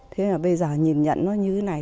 thế bây giờ nhìn nhận như thế này